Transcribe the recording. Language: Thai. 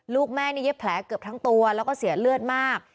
ลูกแม่นี่เย็บแผลเกือบทั้งตัวแล้วก็เสียเลือดมาก